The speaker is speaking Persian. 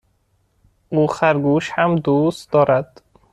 او خرگوش هم دوست دارد.